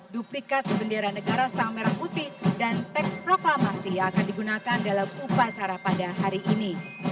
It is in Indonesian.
duplikat bendera negara sang merah putih dan teks proklamasi akan digunakan dalam upacara pada hari ini